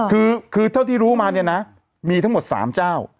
คือเท่าที่รู้มาเนี่ยนะมีทั้งหมด๓เจ้า